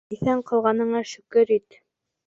Иҫән ҡалғаныңа шөкөр ит!